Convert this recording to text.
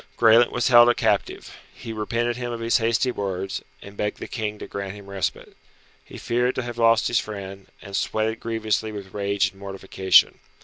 Graelent was held a captive. He repented him of his hasty words, and begged the King to grant him respite. He feared to have lost his friend, and sweated grievously with rage and mortification.